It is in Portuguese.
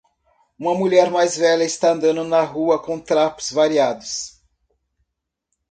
Uma mulher mais velha está andando na rua com trapos variados.